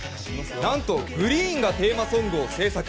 何と、ＧＲｅｅｅｅＮがテーマソングを制作。